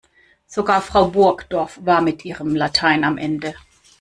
Sogar Frau Burgdorf war mit ihrem Latein am Ende.